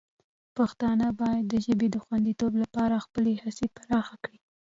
پښتانه باید د ژبې د خوندیتوب لپاره خپلې هڅې پراخې کړي.